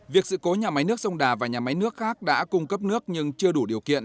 việc sự cố nhà máy nước sông đà và nhà máy nước khác đã cung cấp nước nhưng chưa đủ điều kiện